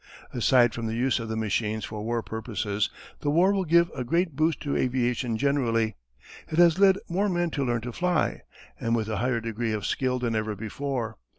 ] "Aside from the use of the machines for war purposes the war will give a great boost to aviation generally. It has led more men to learn to fly, and with a higher degree of skill than ever before.